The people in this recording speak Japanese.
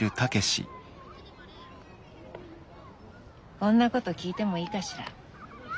こんなこと聞いてもいいかしら？